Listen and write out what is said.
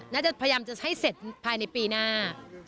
น่าจะพยายามจะให้เสร็จภายในปีหน้า